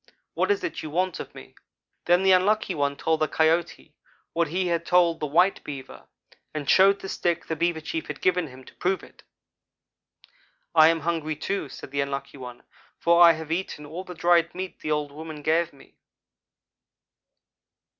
What is it you want of me?' "Then the Unlucky one told the Coyote what he had told the white Beaver, and showed the stick the Beaver chief had given him, to prove it. "'I am hungry, too,' said the Unlucky one, 'for I have eaten all the dried meat the old woman gave me.'